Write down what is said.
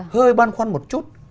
hơi băn khoăn một chút